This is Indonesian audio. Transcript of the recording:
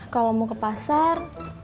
kalau mau ke pasar